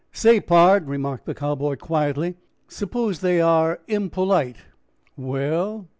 "Say, pard," remarked the Cowboy quietly, "suppose they are impolite?" "Well."